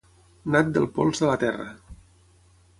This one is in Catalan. Nat del pols de la terra.